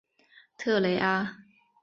特雷阿。